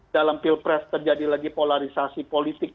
dua ribu dua puluh empat dalam pilpres terjadi lagi polarisasi politik